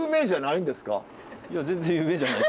いや全然有名じゃない。